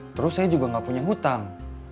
terus saya juga gak punya hutang